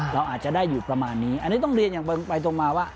เราอาจจะได้อยู่ประมาณนี้อันนี้ต้องเรียนอย่างตรงไปตรงมาว่า